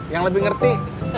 yang lebih ngerti